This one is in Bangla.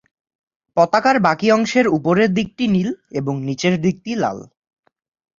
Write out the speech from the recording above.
পতাকার বাকি অংশের উপরের দিকটি নীল, এবং নিচের দিকটি লাল।